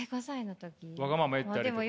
わがまま言ったりとか。